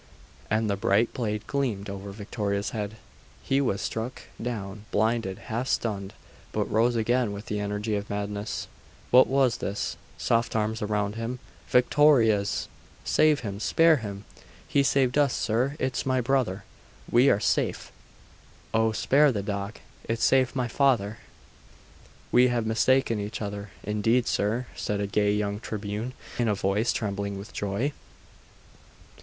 And the bright blade gleamed over Victoria's head.... He was struck down blinded half stunned but rose again with the energy of madness.... What was this? Soft arms around him.... Victoria's! 'Save him! spare him! He saved us! Sir! It is my brother! We are safe! Oh, spare the dog! It saved my father!' 'We have mistaken each other, indeed, sir!' said a gay young Tribune, in a voice trembling with joy.